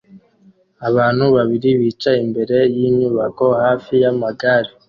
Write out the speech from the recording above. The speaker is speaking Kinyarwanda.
Abantu babiri bicaye imbere yinyubako hafi yamagare